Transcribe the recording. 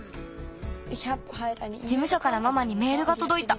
じむしょからママにメールがとどいた。